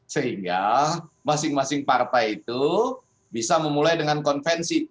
sehingga masing masing partai itu bisa memulai dengan konvensi